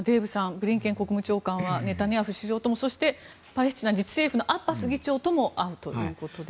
ブリンケン国務長官はネタニヤフ首相ともそしてパレスチナ自治政府のアッバス議長とも会うということです。